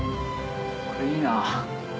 これいいな。